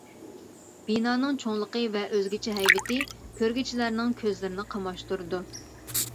بىنانىڭ چوڭلۇقى ۋە ئۆزگىچە ھەيۋىتى كۆرگۈچىلەرنىڭ كۆزلىرىنى قاماشتۇرىدۇ.